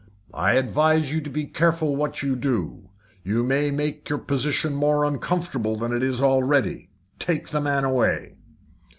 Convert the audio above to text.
"I advise you to be careful what you do. You may make your position more uncomfortable than it is already. Take the man away."